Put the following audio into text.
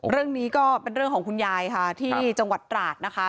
เรื่องนี้ก็เป็นเรื่องของคุณยายค่ะที่จังหวัดตราดนะคะ